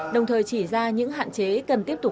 đồng thời chỉ ra những hạn chế cần tiếp tục